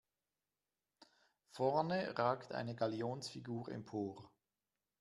Vorne ragt eine Galionsfigur empor.